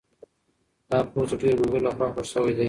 دا پوسټ د ډېرو ملګرو لخوا خوښ شوی دی.